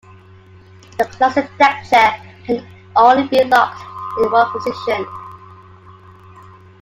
The classic deckchair can only be locked in one position.